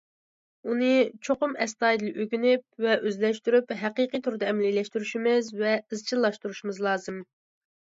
ئۇنى چوقۇم ئەستايىدىل ئۆگىنىپ ۋە ئۆزلەشتۈرۈپ، ھەقىقىي تۈردە ئەمەلىيلەشتۈرۈشىمىز ۋە ئىزچىللاشتۇرۇشىمىز لازىم.